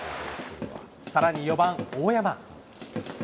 さらに４番大山。